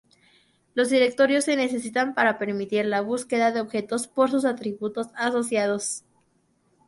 Los Directorios se necesitan para permitir la búsqueda de objetos por sus atributos asociados.